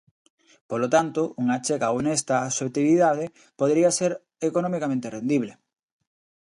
Polo tanto, unha achega honesta á obxectividade podería ser economicamente rendible.